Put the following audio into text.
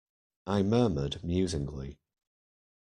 I murmured musingly.